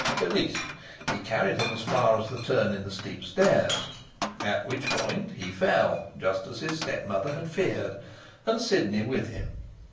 At least he carried him as far as the turn in the steep stairs, at which point he fell, just as his stepmother had feared, and Sidney with him.